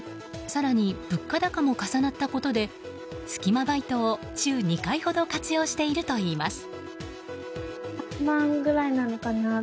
更に物価高も重なったことでスキマバイトを週２回ほど活用しているといいます。